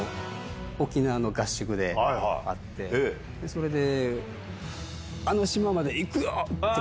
それで。